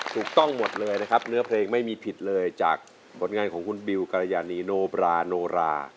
ถูกต้องหมดเลยนะครับเนื้อเพลงไม่มีผิดเลยจากผลงานของคุณบิวกรยานีโนบราโนรา